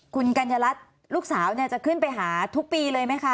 คุณกัญญารัฐลูกสาวจะขึ้นไปหาทุกปีเลยไหมคะ